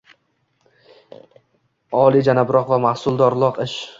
olijanobroq va mahsuldorroq ish.